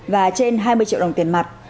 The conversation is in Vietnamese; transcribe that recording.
và trên hai mươi triệu đồng tiền mặt